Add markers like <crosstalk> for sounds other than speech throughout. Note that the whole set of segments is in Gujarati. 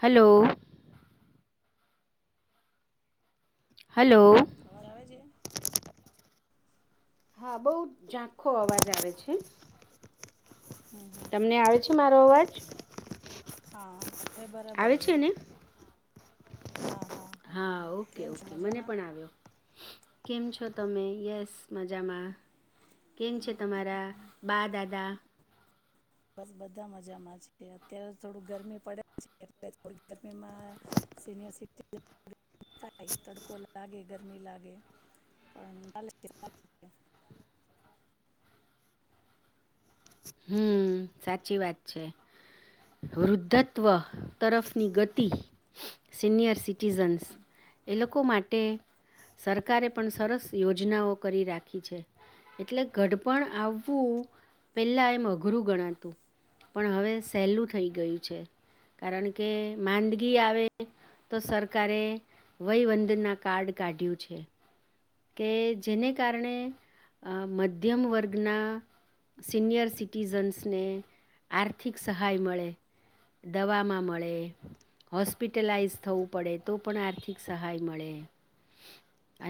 હલો. હલો. <unintelligible> આવે છે. હા, બહુ ઝાંખો અવાજ આવે છે. હમ હમ તમને આવે છે, મારો અવાજ. હા બરાબર આવે છે આવ્યો. ને હા હા, ઓકે, કેમ છો ઓકે મને મજામાં પણ આવ્યો. કેમ છો તમે યસ મજામાં કેમ છે, તમારા બા દાદા. બસ બધા મજામાં છે, અત્યારે થોડું ગરમી પડે છે, <inaudible> ગરમીમાં સિનિયર સિટી થાય, તડકો લાગે ગરમી લાગે પણ <inaudible> હમ સાચી વાત છે, વૃદ્ધત્વ તરફની ગતિ સિનિયર સિટીઝન્સ એ લોકો માટે તે સરકારે પણ સરસ યોજનાઓ કરી રાખી છે, એટલે ગડપણ આવુ પહેલાં એમ અઘરું ગણાતું પણ હવે સહેલું થઈ ગયું છે કારણ કે માંદગી આવે તો સરકારે વયવંદના કાર્ડ કાઢ્યું છે કે જેને કારણે મધ્યમ વર્ગના. સિનિયર સિટીઝન્સને આર્થિક સહાય મળે દવામાં મળે હોસ્પિટલાઈઝ થવું પડે તો પણ આર્થિક સહાય મળે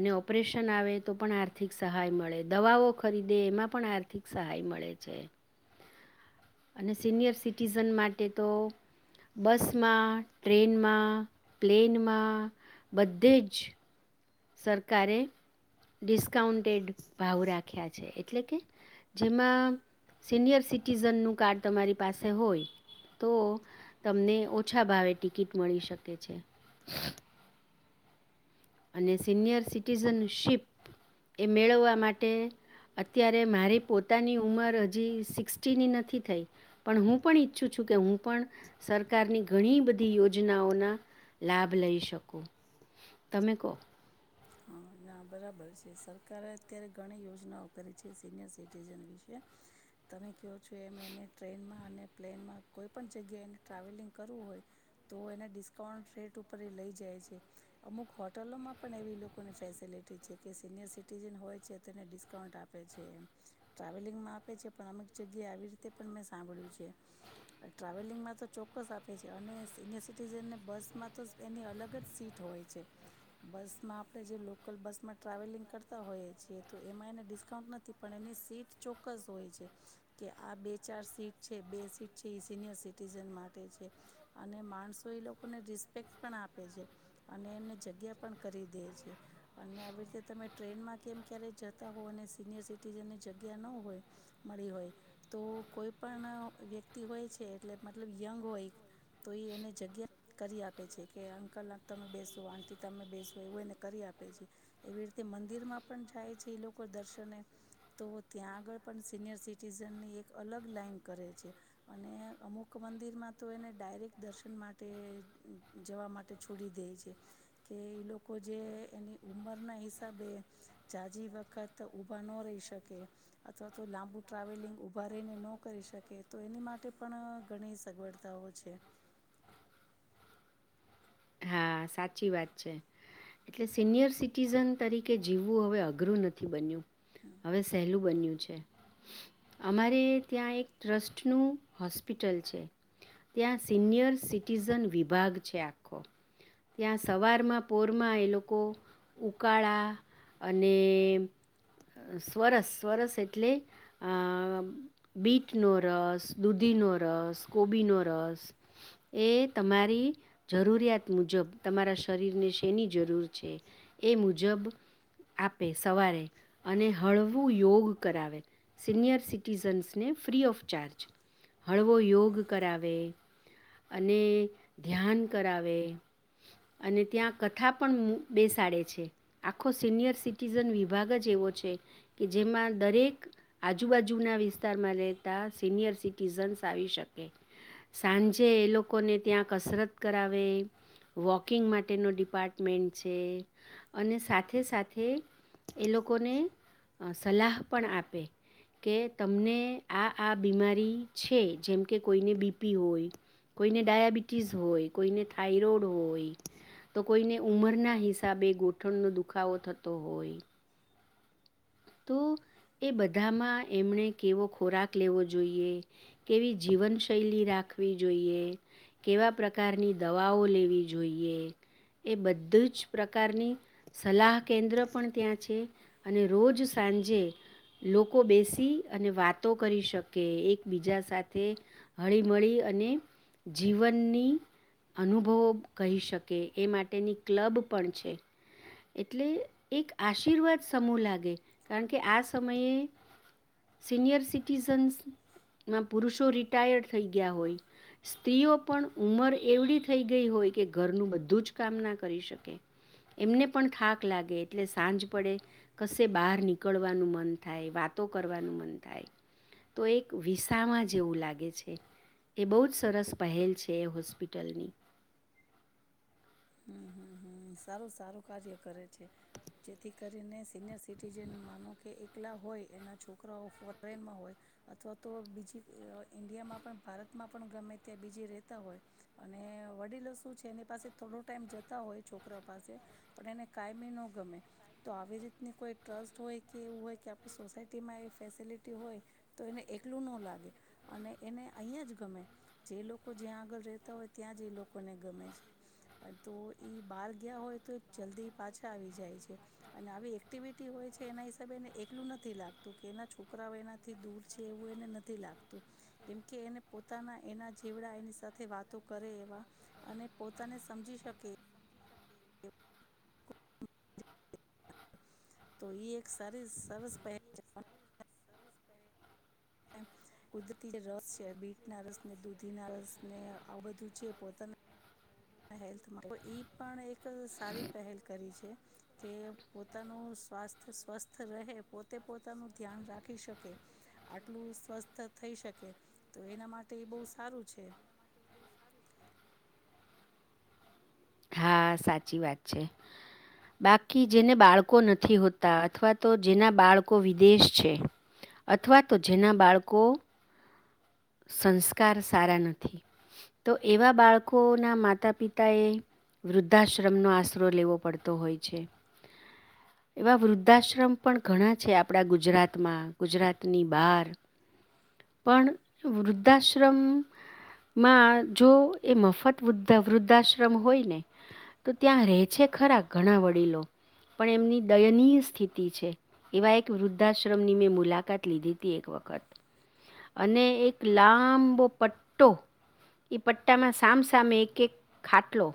અને ઓપરેશન આવે તો પણ આર્થિક સહાય મળે દવાઓ ખરીદે એમાં પણ આર્થિક સહાય મળે. લેછે. અને સિનિયર સિટીઝન માટે તો બસમાં, ટ્રેનમાં, પ્લેનમાં બધે જ સરકારે ડિસ્કાઉન્ટેડ ભાવ રાખ્યા છે એટલે કે જેમાં સિનિયર સિટીઝનનું કાર્ડ તમારી પાસે હોય તો તમને ઓછા ભાવે ટિકિટ મળી શકે છે. અને સિનિયર સિટીઝનશીપ એ મેળવવા માટે અત્યારે મારી પોતાની ઉંમર હજી સિક્સટી નથી થઈ, પણ હું પણ ઈચ્છું છું કે હું પણ સરકારની ઘણી બધી યોજનાઓના લાભ લઈ શકું. તમે કો? હા ના બરાબર છે સરકારે અત્યારે ઘણી યોજનાઓ કરી છે સિનિયર સિટીઝન વિશે. તમે કહો છો એમ એને ટ્રેનમાં અને પ્લેનમાં કોઈ પણ જગ્યાએ એને ટ્રાવેલિંગ કરવું હોય તો એને ડિસ્કાઉન્ટ રેટ ઉપર એ લઈ જાય છે, અમુક હોટલોમાં પણ એવી લો લોકોને ફેસિલિટી છે કે સિનિયર સિટીઝન હોય છે તો એને ડિસ્કાઉન્ટ આપે છે એ ટ્રાવેલિંગમાં આપે છે પણ અમુક જગ્યાએ આવી રીતે પણ મેં સાંભળ્યું છે, ટ્રાવેલિંગમાં તો ચોક્કસ આપે છે અને સિનિયર સિટીઝનને બસમાં તો એની અલગ જ સીટ હોય છે. બસમાં આપણે જે લોકલ બસમાં ટ્રાવેલિંગ કરતા હોઈએ છીએ તો એમાં એને ડિસ્કાઉન્ટ નથી પણ એની સીટ ચોક્કસ હોય છે કે આ બે ચાર સીટ છે બે સીટ છે એ સિનિયર સિટીઝન માટે છે અને માણસો એ લોકોને રિસ્પેક્ટ પણ આપે છે અને એને જગ્યા પણ કરી દે છે. અને આવી રીતે તમે ટ્રેનમાં કેમ ક્યારે જતા હો અને સિનિયર સિટીઝનની જગ્યા ન હોય મળી હોય તો, કોઈ પણ વ્યક્તિ હોય છે એટલે મતલબ યંગ હોય તો એ એને જગ્યા કરી આપે છે કે અંકલ અ તમે બેસો આંટી તમે બેસો એવું એને કરી આપે છે. એવી રીતે મંદિરમાં પણ જાય છે એ લોકો દર્શને તો ત્યાં આગળ પણ સિનિયર સિટીઝનની એક અલગ લાઈન કરે છે, અને અમુક મંદિરમાં તો એને ડાયરેક્ટ દર્શન માટે જવા માટે છોડી દે છે કે એ લોકો જે એની ઉંમરના હિસાબે જાઝી વખત ઊભા ન રહી શકે અથવા તો લાંબુ ટ્રાવેલિંગ ઊભા રહીને ન કરી શકે તો એની માટે પણ ઘણી સગવડતાઓ છે. હા સાચી વાત છે, એટલે સિનિયર સિટીઝન તરીકે જીવવું હવે અઘરું નથી બન્યું. હવે સહેલું બન્યું. છે. અમારે ત્યાં એક ટ્રસ્ટ નું હોસ્પિટલ છે, ત્યાં સિનિયર સિટિઝન વિભાગ છે આખો ત્યાં સવારમાં પોરમાં એ લોકો ઉકાળા અને સ્વરસ સ્વરસ એટલે અ બીટનો રસ, દૂધીનો રસ, કોબીનો રસ એ તમારી જરૂરિયાત મુજબ તમારા શરીરને શેની જરૂર છે એ મુજબ આપે સવારે અને હળવું યોગ કરાવે. સિનિયર સિટીઝન્સને ફ્રી ઓફ ચાર્જ હળવો યોગ કરાવે અને ધ્યાન કરાવે. અને ત્યાં કથા પણ બેસાડે છે આખો સિનિયર સિટીઝન વિભાગ જ એવો છે કે જેમાં દરેક આજુબાજુના વિસ્તારમાં રહેતા સિનિયર સિટીઝન્સ આવી શકે, સાંજે એ લોકોને ત્યાં કસરત કરાવે. વોકિંગ માટેનો ડિપાર્ટમેન્ટ છે અને સાથે સાથે એ લોકોને સલાહ પણ આપે કે તમને આ આ બીમારી છે. જેમ કે કોઈને બીપી હોય, કોઈને ડાયાબિટીસ હોય કોઈને થાઈરોઈડ હોય, તો કોઈને ઉમરના હિસાબે ગોઠણનો દુખાવો થતો હોય. તો એ બધામાં એમણે કેવો ખોરાક લેવો જોઈએ, કેવી જીવનશૈલી રાખવી જોઈએ, કેવા પ્રકારની દવાઓ લેવી જોઈએ એ બધી જ પ્રકારની સલાહ કેન્દ્ર પણ ત્યાં છે અને રોજ સાંજે લોકો બેસી અને વાતો કરી શકે એકબીજા સાથે હળીમળી અને જીવનની અનુભવો કહી શકે એ માટેની ક્લબ પણ છે. એટલે એક આશીર્વાદ સમૂહ લાગે કારણ કે આ સમયે સિનિયર સિટીઝન્સ માં પુરુષો રિટાયર થઈ ગયા હોય. સ્ત્રીઓ પણ ઉમર એવડી થઈ ગઈ હોય કે ઘરનું બધું જ કામ ના કરી શકે એમને પણ થાક લાગે એટલે સાંજ પડે કશે બહાર નીકળવાનું મન થાય વાતો કરવાનું મન થાય તો એક વિસાવા જેવું લાગે છે, એ બહુ જ સરસ પહેલ છે એ હોસ્પિટલની. હ હમ્મ હમ્મ સારું સારું કાર્ય કરે છે, જેથી કરીને સિનિયર સિટીઝન માનો કે એકલા હોય એના છોકરાઓ ફોરેનમાં હોય અથવા તો બીજી ઇન્ડિયામાં પણ ભારતમાં પણ ગમે ત્યાં બીજી રહેતા હોય અને વડીલો શું છે એની પાસે થોડો ટાઈમ જતા હોય છોકરા પાસે પણ એને કાયમી ન ગમે તો આવી રીતની કોઈ ટ્રસ્ટ હોય કે એવું હોય કે આપણી સોસાયટીમાં એ ફેસિલિટી હોય તો એને એકલું ન લાગે અને એને અહીંયા જ ગમે જે લોકો જ્યાં આગળ રહેતા હોય ત્યાં જ એ લોકોને ગમે છે. તો એ બહાર ગયા હોય તો એ જલ્દી પાછા આવી જાય છે અને આવી એક્ટિવિટી હોય છે એના હિસાબે એને એકલું નથી લાગતું કે એના છોકરાઓ એનાથી દૂર છે એવું એને નથી લાગતું કેમકે એને પોતાના એના જેવડા એની સાથે વાતો કરે એવા અને પોતાને સમજી શકે. તો એક સારી સરસ પહેચ કુદરતી જે રસ છે બીટના રસ ને દૂધીના રસ ને આ બધું છે પોતાના હેલ્થ તો પણ એક સારી પહેલ કરી છે કે પોતાનું સ્વાસ્થ સ્વસ્થ રહે પોતે પોતાનું ધ્યાન રાખી શકે આટલું સ્વસ્થ થઈ શકે તો એના માટે એ બહુ સારું છે. હા સાચી વાત છે. બાકી જેને બાળકો નથી હોતા અથવા તો જેના બાળકો વિદેશ છે અથવા તો જેના બાળકો સંસ્કાર સારા નથી. તો એવા બાળકોના માતા પિતાએ વૃદ્ધાશ્રમનો આશરો લેવો પડતો હોય છે. એવા વૃદ્ધાશ્રમ પણ ઘણા છે આપણા ગુજરાતમાં ગુજરાતની બહાર પણ વૃદ્ધાશ્રમમાં જો એ મફત વૃ્ધ વૃદ્ધાશ્રમ હોય ને તો ત્યાં રહે છે ખરા ઘણા વડીલો પણ એમની દયનીય સ્થિતિ છે. એવા એક વૃદ્ધાશ્રમની મેં મુલાકાત લીધી હતી એક વખત અને એક લાંબો પટ્ટો એ પટ્ટામાં સામસામે એક એક ખાટલો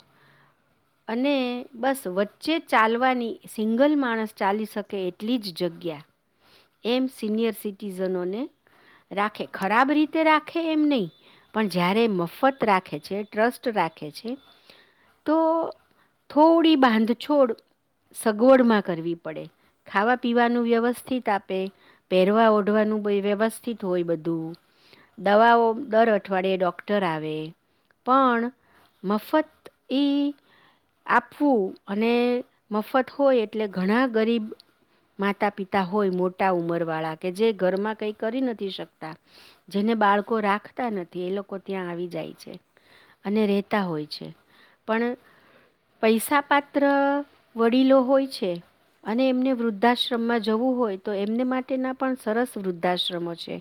અને બસ વચ્ચે ચાલવાની સિંગલ માણસ ચાલી શકે એટલી જ જગ્યા એમ સિનિયર સિટીઝનોને રાખે. ખરાબ રીતે રાખે એમ નહી પણ જયારે મફત રાખે છે, ટ્રસ્ટ રાખે છે તો થોડી બાંધછોડ સગવડમાં કરવી પડે. ખાવા પીવાનું વ્યવસ્થિત આપે, પહેરવા ઓઢવાનું વ્યવસ્થિત હોય બધું. દવાઓ દર અઠવાડિયે ડોક્ટર આવે પણ મફત એ આપવું અને મફત હોય એટલે ઘણા ગરીબ માતા પિતા હોય મોટા ઉંમરવાળા કે જે ઘરમાં કંઈ કરી નથી શકતા. જેને બાળકો રાખતા નથી એ લોકો ત્યાં આવી જાય છે અને રહેતા હોય છે પણ પૈસા પાાત્ર વડીલો હોય છે અને એમને વૃદ્ધાશ્રમમાં જવું હોય તો એમને માટેના પણ સરસ વૃદ્ધાશ્રમો છે.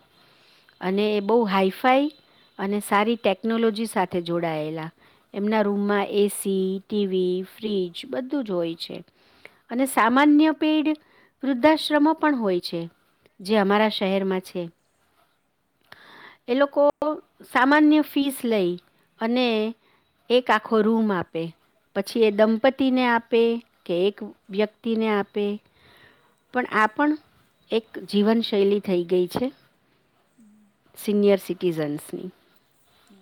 અને એ બહુ હાઈફાઈ અને સારી ટેકનોલોજી સાથે જોડાયેલા એમના રૂમમાં એસી ટીવી ફ્રીજ બધું જ હોય છે અને સામાન્ય પેઢ વૃદ્ધાશ્રમો પણ હોય છે. જે અમારા શહેરમાં છે. એ લોકો સામાન્ય ફીસ લઈ અને એક આખો રૂમ આપે પછી એ દંપતીને આપે કે એક વ્યક્તિને આપે પણ આ પણ એક જીવનશૈલી થઈ ગઈ છે સીનિયર સિટીઝનસની. હ.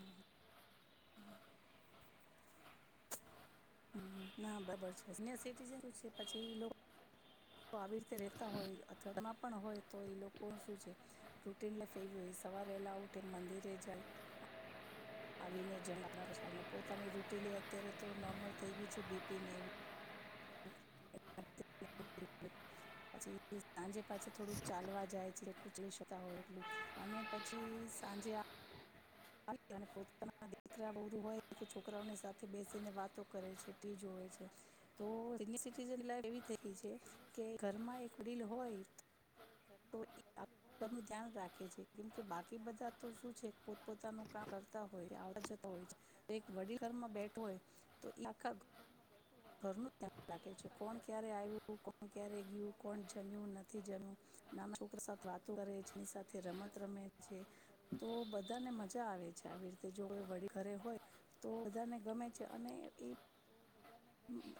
ના બરાબર છે સિનિયર સિટીઝન છે પછી આવી રીતે રહેતા હોય અથવા પણ હોય તો એ લોકો શું છે ફે હોય સવાર વહેલા ઉઠે મંદિરે જાય આવીને જને પોતાની રૂટિન એ અત્યારે તો નોર્મલ થઈ ગયું છે બીપીને એવું પછી સાંજે પાછું થોડુંક ચાલવા જાય છે જેટલું ચાલી શકાય હોય એટલું અને પછી સાંજે આ દીકરા હોય છોકરાઓની સાથે બેસીને વાતો કરે છે ટીવી જોવે છે સિનિયર સિટીઝન લાઇફ એવી થઈ ગઈ છે કે ઘરમાં એક વડીલ હોયન રાખે છે કેમ કે બાકી બધા તો સુ છે પોત પોતાનું કામ કરતા હોય આવતા જતા હોય. એક વડીલ ઘરમાં બેઠુ હોય તો આખા ઘરનું ધ્યાન રાખે છે કોણ ક્યારે આવ્યું, કોણ ક્યારે ગયું, કોણ જમ્યું, નથી જમ્યું, નાના છોકરા સાથે વાતો કરે, જેની સાથે રમત રમે છે તો બધાને મજા આવે છે આવી રીતે જો કો વડીલ ઘરે હોય તો બધાને ગમે છે અને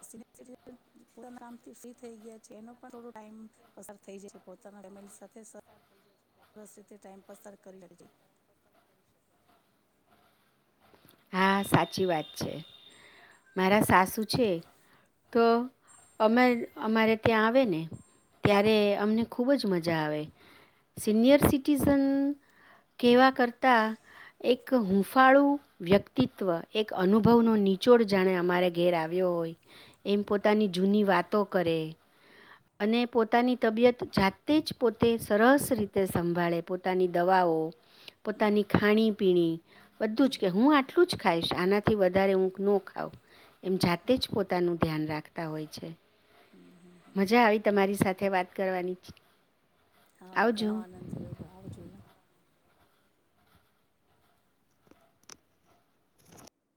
સિનયર <unintelligible> ફ્રી થઈ ગયા છે એનો પણ થોડો ટાઈમ પસાર થઈ જાય છે પોતાના ફેમિલી સાથે રસી તે ટાઈમપાસ કરી શકે છે. હા સાચી વાત છે મારા સાસુ છે તો અમે અમારે ત્યાં આવે ને ત્યારે અમને ખૂબ જ મજા આવે સિનિયર સિટીઝન કહેવા કરતાં એક હુંંફાળું વ્યક્તિ અસ્તિત્વ એક અનુભવનો નીચોડ જાણે અમારે ઘેર આવ્યો હોય એમ હમ, પોતાની જૂની વાતો કરે અને પોતાની તબિયત જાતે જ પોતે સરસ રીતે સંભાળે પોતાની દવાઓ પોતાની ખાણીપીણી બધું જ કે હું આટલું આટલું જ ખાઈશ, આનાથી વધારે નો ખાવ. એમ જાતે જ પોતાનું ધ્યાન રાખ તા હોય છે. હમ, હમ, હમ. મજા આવી તમારી સાથે વાત કરવાની છે. હા ઘણો આનંદ થયો આવજો.